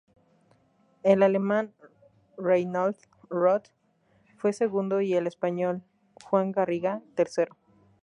El alemán Reinhold Roth fue segundo y el español Juan Garriga, tercero.